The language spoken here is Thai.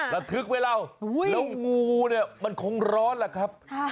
ระทึกไหมเราแล้วงูเนี่ยมันคงร้อนล่ะครับ